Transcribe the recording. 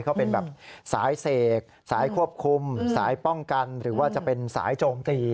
เขาเป็นแบบสายเสกสายควบคุมสายป้องกันหรือว่าจะเป็นสายโจมตี